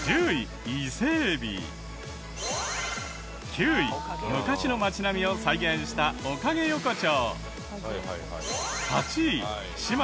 ９位昔の町並みを再現したおかげ横町。